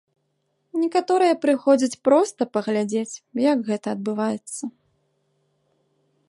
Некаторыя прыходзяць проста паглядзець, як гэта адбываецца.